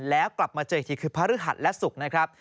แล้วกลับมาเจออีกที่ก็คือภรรึหัฐและศุกร์